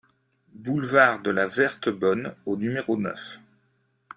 Boulevard de la Verte Bonne au numéro neuf